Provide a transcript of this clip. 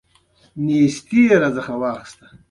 خوړل د ځوانې نجونې پخلی ښيي